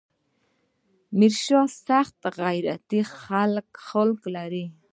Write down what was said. ميرانشاه سخت غيرتي خلق لري.